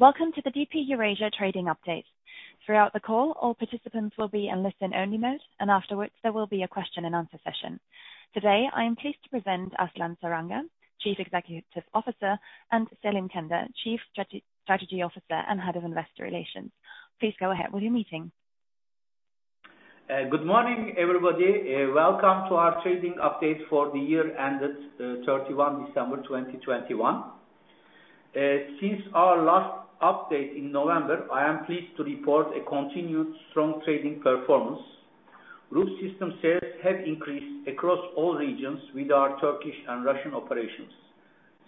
Welcome to the DP Eurasia trading update. Throughout the call, all participants will be in listen only mode, and afterwards there will be a question and answer session. Today, I am pleased to present Aslan Saranga, Chief Executive Officer, and Selim Kender, Chief Strategy Officer and Head of Investor Relations. Please go ahead with your meeting. Good morning, everybody. Welcome to our trading update for the year ended 31 December 2021. Since our last update in November, I am pleased to report a continued strong trading performance. Group system sales have increased across all regions with our Turkish and Russian operations.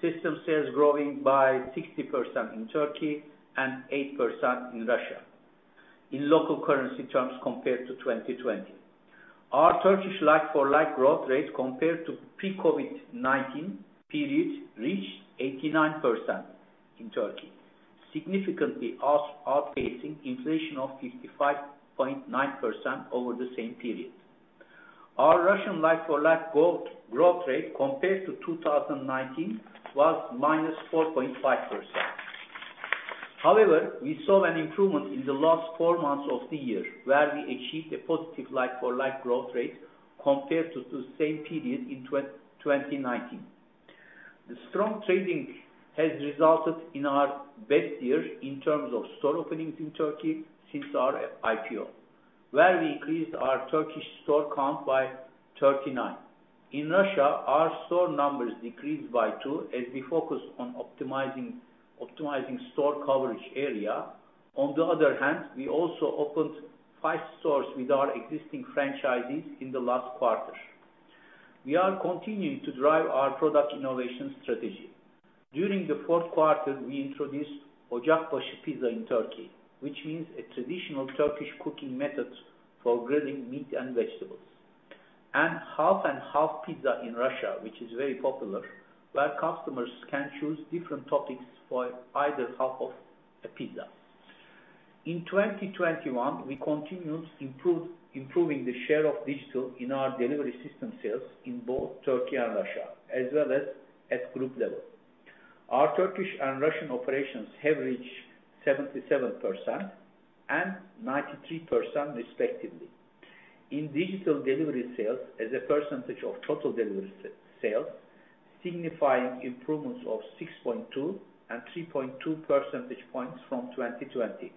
System sales growing by 60% in Turkey and 8% in Russia in local currency terms compared to 2020. Our Turkish like-for-like growth rate compared to pre-COVID-19 period reached 89% in Turkey, significantly outpacing inflation of 55.9% over the same period. Our Russian like-for-like growth rate compared to 2019 was -4.5%. However, we saw an improvement in the last four months of the year, where we achieved a positive like-for-like growth rate compared to the same period in 2019. The strong trading has resulted in our best year in terms of store openings in Turkey since our IPO, where we increased our Turkish store count by 39. In Russia, our store numbers decreased by two as we focused on optimizing store coverage area. On the other hand, we also opened five stores with our existing franchisees in the last quarter. We are continuing to drive our product innovation strategy. During the fourth quarter, we introduced Ocakbaşı Pizza in Turkey, which means a traditional Turkish cooking method for grilling meat and vegetables. Half & Half Pizza in Russia, which is very popular, where customers can choose different toppings for either half of a pizza. In 2021, we continued improving the share of digital in our delivery system sales in both Turkey and Russia, as well as at group level. Our Turkish and Russian operations have reached 77% and 93% respectively. In digital delivery sales as a percentage of total delivery sales, signifying improvements of 6.2 and 3.2 percentage points from 2020.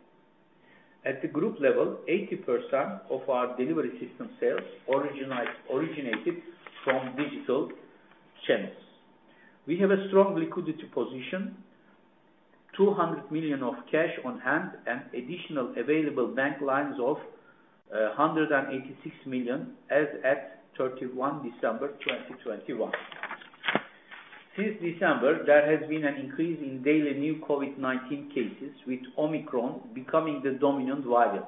At the group level, 80% of our delivery system sales originated from digital channels. We have a strong liquidity position, $200 million of cash on hand and additional available bank lines of $186 million as at 31 December 2021. Since December, there has been an increase in daily new COVID-19 cases with Omicron becoming the dominant variant.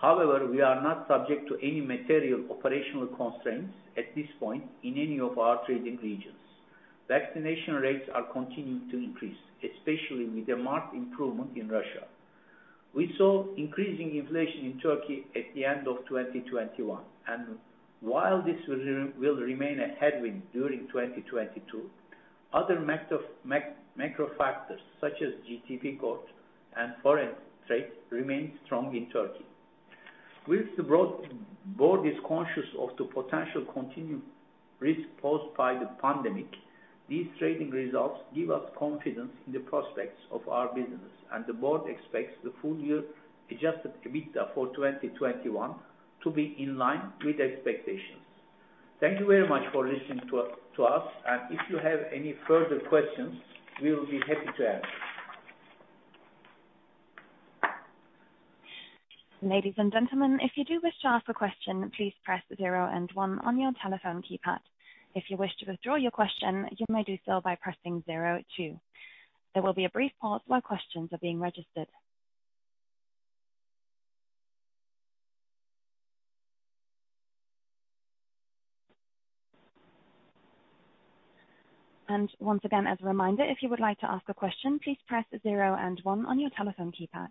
However, we are not subject to any material operational constraints at this point in any of our trading regions. Vaccination rates are continuing to increase, especially with a marked improvement in Russia. We saw increasing inflation in Turkey at the end of 2021. While this will remain a headwind during 2022, other macro factors such as GDP growth and foreign trade remain strong in Turkey. With the board is conscious of the potential continuing risk posed by the pandemic, these trading results give us confidence in the prospects of our business. The board expects the full year adjusted EBITDA for 2021 to be in line with expectations. Thank you very much for listening to us, and if you have any further questions, we will be happy to answer. Ladies and gentlemen, if you do wish to ask a question, please press zero and one on your telephone keypad. If you wish to withdraw your question, you may do so by pressing zero two. There will be a brief pause while questions are being registered. Once again, as a reminder, if you would like to ask a question, please press zero and one on your telephone keypad.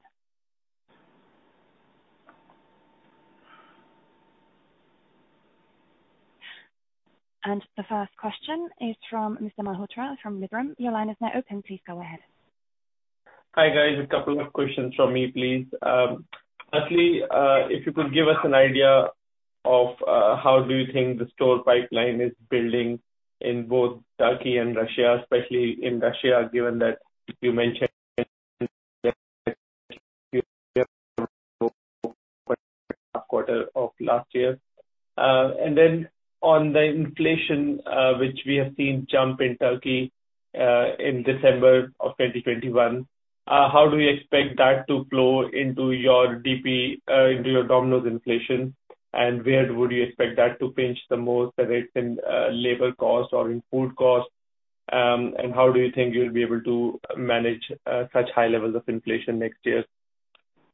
The first question is from Mr. Malhotra from Liberum. Your line is now open. Please go ahead. Hi, guys. A couple of questions from me, please. Firstly, if you could give us an idea of how do you think the store pipeline is building in both Turkey and Russia, especially in Russia, given that you mentioned quarter of last year. On the inflation, which we have seen jump in Turkey, in December of 2021, how do you expect that to flow into your DP, into your Domino's inflation? Where would you expect that to pinch the most, whether it's in labor costs or in food costs? How do you think you'll be able to manage such high levels of inflation next year?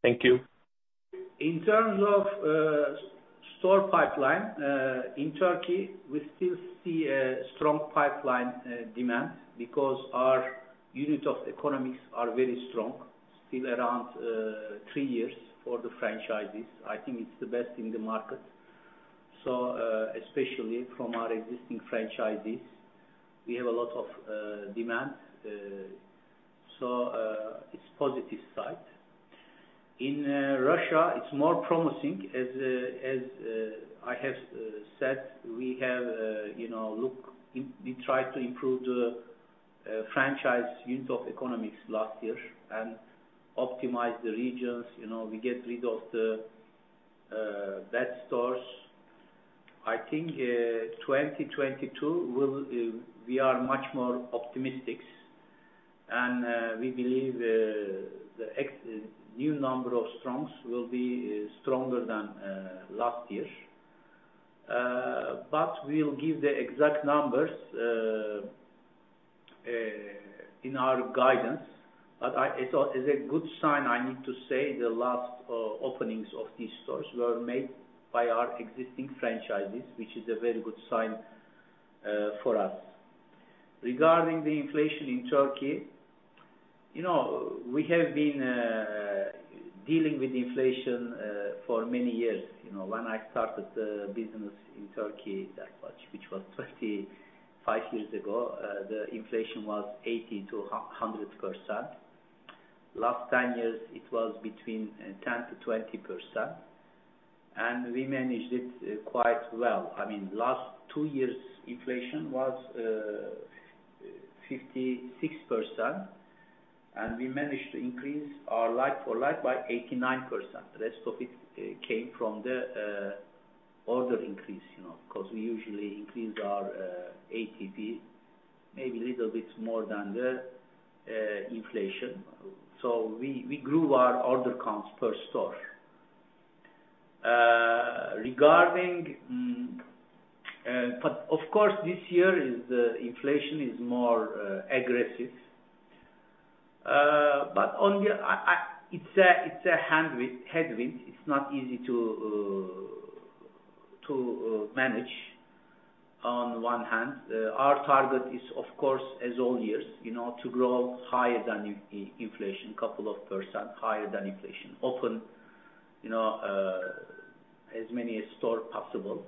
Thank you. In terms of store pipeline in Turkey, we still see a strong pipeline demand because our unit economics are very strong, still around three years for the franchises. I think it's the best in the market. Especially from our existing franchisees, we have a lot of demand. It's positive side. In Russia, it's more promising as I have said, we have you know look we tried to improve the franchise unit economics last year and optimize the regions. You know, we get rid of the bad stores. I think 2022 we are much more optimistic. We believe the new number of stores will be stronger than last year. We'll give the exact numbers in our guidance. It's a good sign. I need to say the last openings of these stores were made by our existing franchisees, which is a very good sign for us. Regarding the inflation in Turkey, you know, we have been dealing with inflation for many years. You know, when I started the business in Turkey that much, which was 35 years ago, the inflation was 80%-100%. Last 10 years it was between 10%-20%, and we managed it quite well. I mean, last two years inflation was 56%, and we managed to increase our like-for-like by 89%. The rest of it came from the order increase, you know. 'Cause we usually increase our ATP maybe a little bit more than the inflation. We grew our order counts per store. Of course this year is, the inflation is more aggressive. On the, it's a headwind. It's not easy to manage. On one hand, our target is of course, as all years, you know, to grow higher than inflation, couple of percent higher than inflation. Often, you know, as many store possible.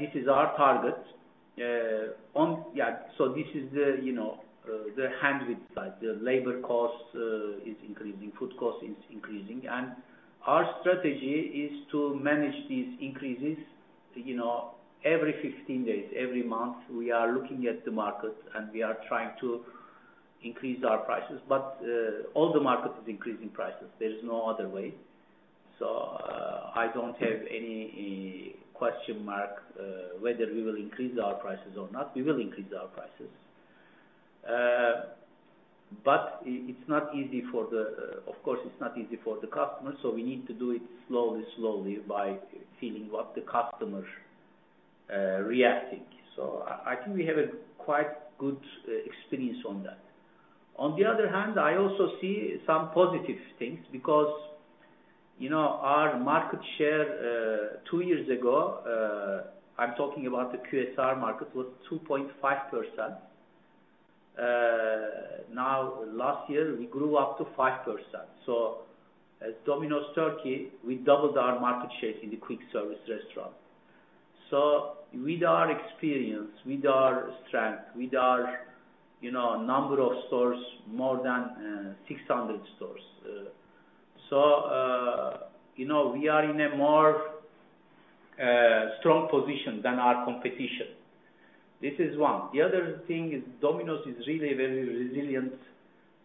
This is our target. On, yeah, this is the, you know, the headwind side. The labor cost is increasing, food cost is increasing. Our strategy is to manage these increases. You know, every 15 days, every month, we are looking at the market, and we are trying to increase our prices. All the market is increasing prices. There is no other way. I don't have any question whether we will increase our prices or not. We will increase our prices. It's not easy for the customers, of course, so we need to do it slowly by feeling what the customer reacting. I think we have a quite good experience on that. On the other hand, I also see some positive things because, you know, our market share two years ago, I'm talking about the QSR market, was 2.5%. Now last year we grew up to 5%. As Domino's Turkey, we doubled our market share in the quick service restaurant. With our experience, with our strength, with our, you know, number of stores, more than 600 stores. You know, we are in a more strong position than our competition. This is one. The other thing is Domino's is really very resilient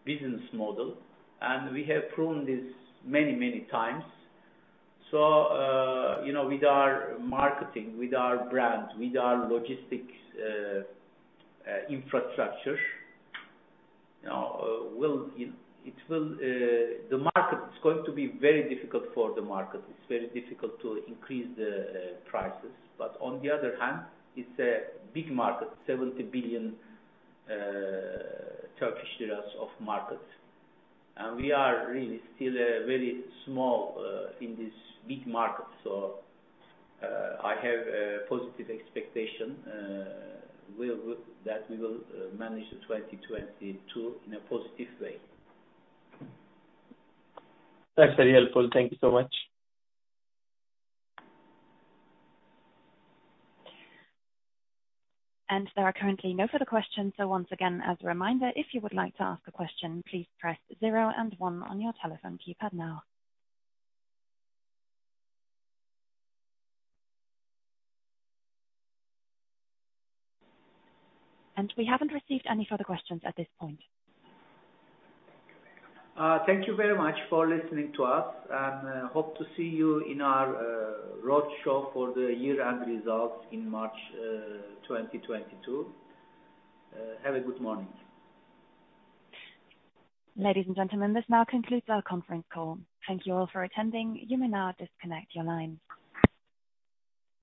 business model, and we have proven this many, many times. You know, with our marketing, with our brands, with our logistics, infrastructure, you know, it will, the market is going to be very difficult for the market. It's very difficult to increase the prices. On the other hand, it's a big market, 70 billion Turkish lira of market. We are really still very small in this big market. I have a positive expectation that we will manage the 2022 in a positive way. That's very helpful. Thank you so much. And there are currently no further questions. So once again, as a reminder, if you would like to ask a question, please press zero and one on your telephone keypad now. And we haven't received any further questions at this point. Thank you very much for listening to us, and hope to see you in our roadshow for the year-end results in March 2022. Have a good morning. Ladies and gentlemen, this now concludes our conference call. Thank you all for attending. You may now disconnect your lines.